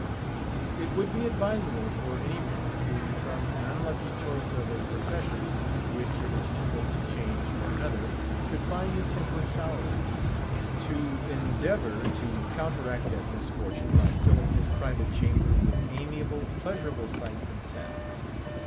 It would be advisable for any man, who from an unlucky choice of a profession, which it is too late to change for another, should find his temper souring, to endeavour to counteract that misfortune, by filling his private chamber with amiable, pleasurable sights and sounds.